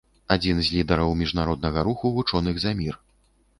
Адзін з лідараў міжнароднага руху вучоных за мір.